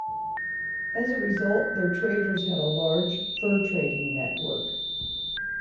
As a result, their traders had a large fur trading network.